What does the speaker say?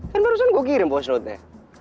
kan barusan gue kirim post notenya